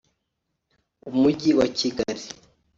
Umujyi wa Kigali